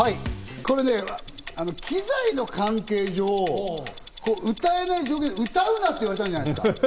これね、機材の関係上、歌うなって言われたんじゃないですか？